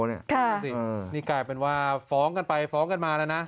ดูสินี่กลายเป็นว่าฟ้องกันไปฟ้องกันมาแล้วนะ